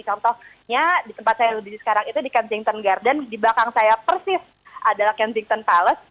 contohnya di tempat saya berdiri sekarang itu di kensington garden di belakang saya persis adalah kensington palace